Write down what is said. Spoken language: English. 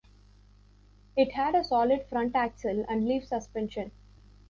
It had a solid front axle and leaf suspension.